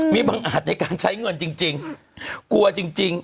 มีบังอาจใช้เงินจริง